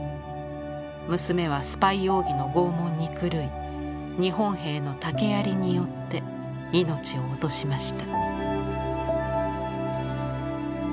娘はスパイ容疑のごうもんに狂い日本兵の竹槍によって命を落としました」。